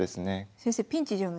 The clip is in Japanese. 先生ピンチじゃないですか。